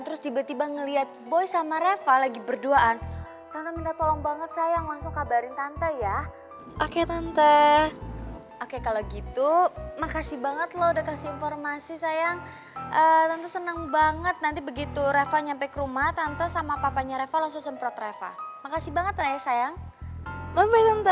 terus tiba tiba ngeliat boy sama reva lagi berduaan karena minta tolong banget sayang collery tante ya oke lovely btw makasih banget loh udah kasih informasi sayang tante seneng banget nanti begitu fuai nyampe ke rumah tante sama papanya reva langsung semprot reva makasih banget ya sayang bye bye tante